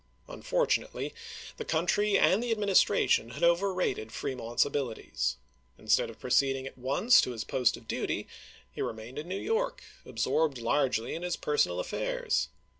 Unfortunately, the country and the Administration had overrated Fremont's abilities. Instead of proceeding at once to his post of duty, he remained in New York, absorbed largely in his toF^monl persoual affairs.